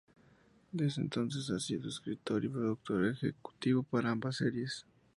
Desde entonces ha sido escritor y productor ejecutivo para ambas series.